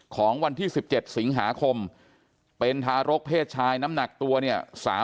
ของวันที่๑๗สิงหาคมเป็นทารกเพศชายน้ำหนักตัวเนี่ย